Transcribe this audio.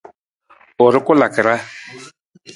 U rukulaka ra.